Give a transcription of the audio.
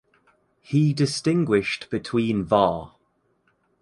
He distinguished between var.